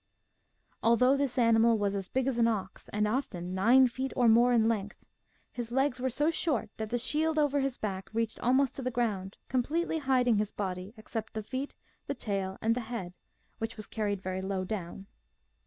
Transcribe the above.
Although this animal was as big as an ox, and often nine feet or more in length, his legs were so short that the shield over his back reached almost to the ground, completely hiding his body except the feet, the tail, and the head, which was carried very low down.